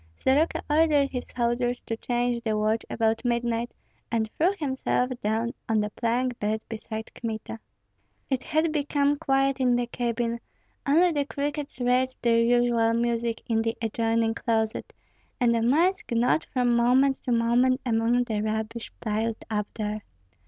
Soroka ordered his soldiers to change the watch about midnight, and threw himself down on the plank bed beside Kmita. It had become quiet in the cabin; only the crickets raised their usual music in the adjoining closet, and the mice gnawed from moment to moment among the rubbish piled up there.